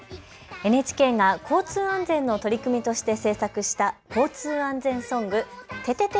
ＮＨＫが交通安全の取り組みとして制作した交通安全ソング、ててて！